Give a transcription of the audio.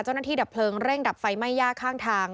เจ้าหน้าที่ดับเพลิงเร่งดับไฟไม่ยากข้างทาง